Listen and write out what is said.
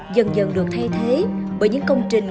dần dần được thay thế bởi những công trình